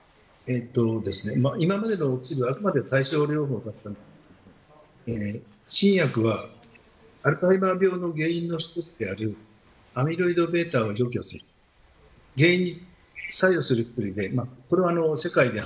今までの薬は対症療法だったんですが新薬はアルツハイマー病の原因の一つであるアミロイドベータを除去する原因に作用する薬です。